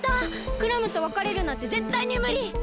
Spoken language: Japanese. クラムとわかれるなんてぜったいにむり！